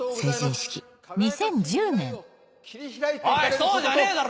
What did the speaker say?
そうじゃねえだろ